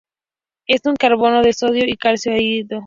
Es un carbonato de sodio y calcio, anhidro.